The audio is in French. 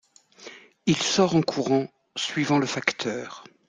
Il sort en courant, suivant le facteur.